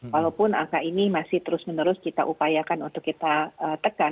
walaupun angka ini masih terus menerus kita upayakan untuk kita tekan